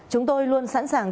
chúng tôi luôn sẵn sàng